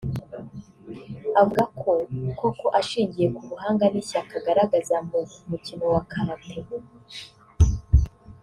avuga ko koko ashingiye ku buhanga n’ishyaka agaragaza mu mukino wa Karate